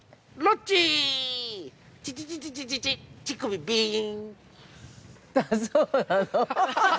チチチチ、乳首ビーン！